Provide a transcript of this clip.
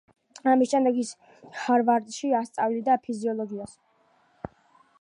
ამის შემდეგ ის ჰარვარდში ასწავლიდა ფიზიოლოგიას.